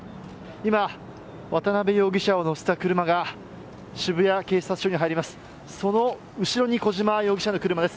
今、渡辺容疑者を乗せた車が渋谷警察署に入ります。